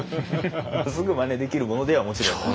すぐマネできるものではもちろんない。